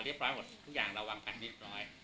อ๋อเรียบร้อยหมดทุกอย่างเราวางแผนเรียบร้อย